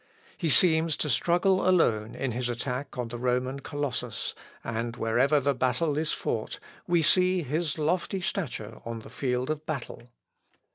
He seems to struggle alone in his attack on the Roman Colossus, and wherever the battle is fought, we see his lofty stature on the field of battle.